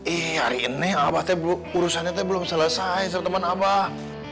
eh hari ini abah urusannya belum selesai sama temen abah